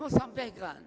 saya mau sampaikan